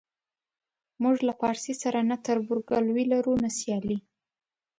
موږ له پارسي سره نه تربورګلوي لرو نه سیالي.